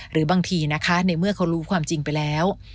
หรือบางทีนะคะในเมื่อเขารู้ความจริงไปแล้ว